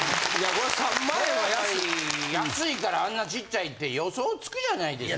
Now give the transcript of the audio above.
それはやっぱり安いからあんなちっちゃいって予想つくじゃないですか。